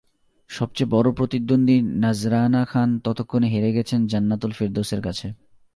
সবচেয়ে বড় প্রতিদ্বন্দ্বী নাজরানা খান ততক্ষণে হেরে গেছেন জান্নাতুল ফেরদৌসের কাছে।